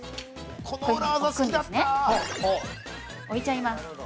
置いちゃいます。